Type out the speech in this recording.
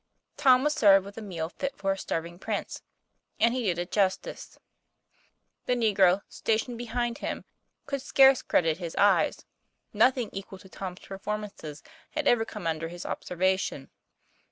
Tom was served with a meal fit for a starving prince. And he did it justice. The negro, stationed behind him, could scarce credit his eyes. Nothing equal to Tom's perform ances had ever come under his observation.